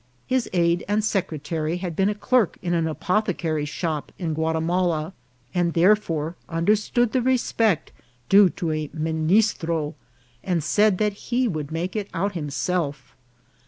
His aid and sec retary had been clerk in an apothecary's shop in Guati mala, and therefore understood the respect due to a ministro, and said that he would make it out himself.